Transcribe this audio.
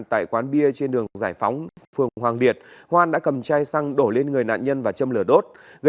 tại quán bia trên đường giải phóng phường hoàng liệt hoan đã cầm chai xăng đổ lên người nạn nhân và châm lửa đốt